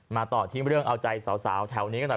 ต่อที่เรื่องเอาใจสาวแถวนี้กันหน่อย